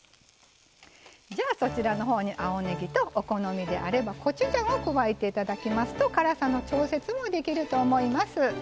そちらのほうに青ねぎとお好みであればコチュジャンを加えていただきますと辛さの調節もできると思います。